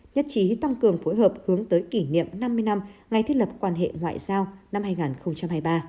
nhất trí tăng cường phối hợp hướng tới kỷ niệm năm mươi năm ngày thiết lập quan hệ ngoại giao năm hai nghìn hai mươi ba